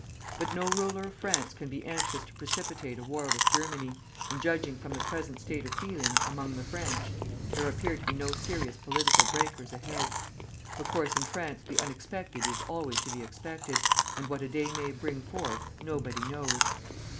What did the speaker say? But no ruler of France can be anxious to precipitate a war with Germany; and judging from the present state of feeling among the French, there appear to be no serious political breakers ahead. Of course in France the unexpected is always to be expected, and what a day may bring forth, nobody knows.